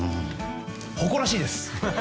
誇らしいです。